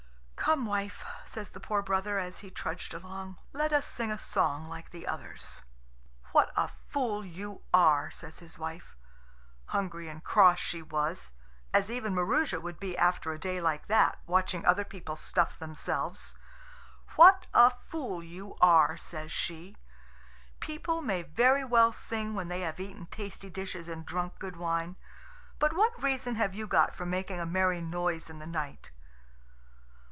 "Come, wife," says the poor brother as he trudged along, "let us sing a song like the others." "What a fool you are!" says his wife. Hungry and cross she was, as even Maroosia would be after a day like that watching other people stuff themselves. "What a fool you are!" says she. "People may very well sing when they have eaten tasty dishes and drunk good wine. But what reason have you got for making a merry noise in the night?"